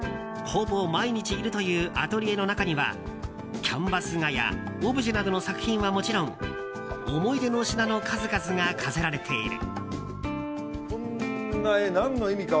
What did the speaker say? ほぼ毎日いるというアトリエの中にはキャンバス画やオブジェなどの作品はもちろん思い出の品の数々が飾られている。